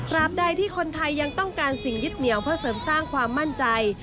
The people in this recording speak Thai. รามใดที่คนไทยยังต้องการสิ่งยึดเหนียวเพื่อเสริมสร้างความมั่นใจ